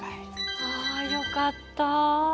あよかった。